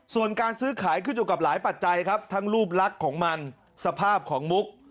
ส่วนการซื้อขายขึ้นอยู่กับหลายปัจจัยครับทั้งรูปลักษณ์ของมันสภาพของมุก